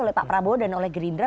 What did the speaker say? oleh pak prabowo dan oleh gerindra